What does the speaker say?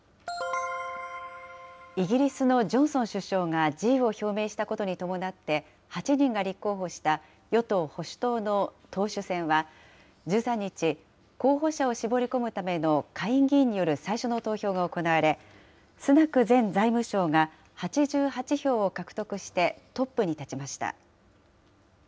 イギリスのジョンソン首相が辞意を表明したことに伴って、８人が立候補した与党・保守党の党首選は、１３日、候補者を絞り込むための下院議員による最初の投票が行われ、スナク前財務相が８８票を獲得して、トップに立ちました。